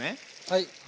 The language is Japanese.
はい。